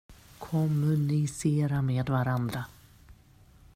Kommunicera med varandra.